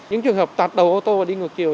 những trường hợp tạt đầu ô tô và đi ngược chiều